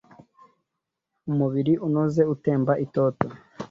Umubiri unoze utemba itoto